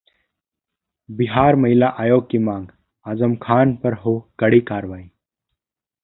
बिहार महिला आयोग की मांग, आजम खान पर हो कड़ी कार्रवाई